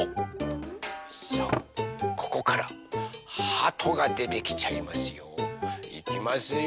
さあここからはとがでてきちゃいますよ。いきますよ。